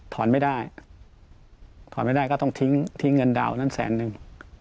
ไม่ได้ถอนไม่ได้ก็ต้องทิ้งทิ้งเงินดาวนั้นแสนนึง